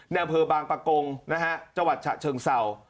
อำเภอบางปะกงนะฮะจังหวัดฉะเชิงเศร้า